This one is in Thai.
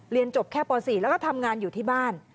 เรียนจบแค่ป๔แล้วก็ทำงานอยู่ที่บ้าน